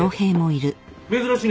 珍しいね。